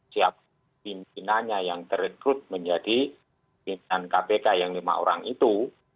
siapa pimpinannya yang terekrut menjadi pimpinan kpk yang lima orang itu